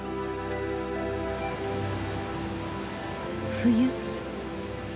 冬。